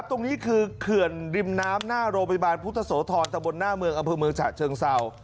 ตรงนี้คือเขื่อนริมน้ำหน้าโรงพยาบาลพุทธโสธรตะบนหน้าเมืองอำเภอเมืองฉะเชิงเศร้า